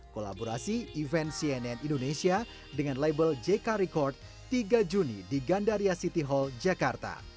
kolaborasi event cnn indonesia dengan label jk record tiga juni di gandaria city hall jakarta